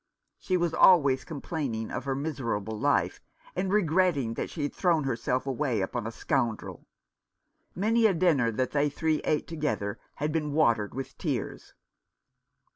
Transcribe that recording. She was always complaining of her miserable life, and regretting that she had thrown herself away upon a scoundrel. Many a dinner that they three ate together had been watered with tears.